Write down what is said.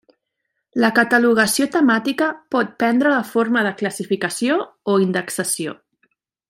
La catalogació temàtica pot prendre la forma de classificació o indexació.